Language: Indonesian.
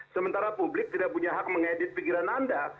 sementara publik tidak punya hak mengedit pikiran anda